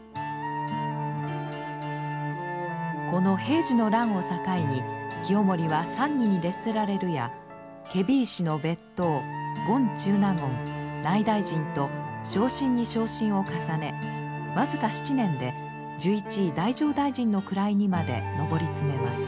この平治の乱を境に清盛は参議に列せられるや検非違使の別当権中納言内大臣と昇進に昇進を重ね僅か７年で従一位太政大臣の位にまで上り詰めます。